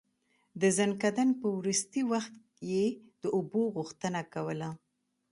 د ځنکدن په وروستی وخت يې د اوبو غوښتنه کوله.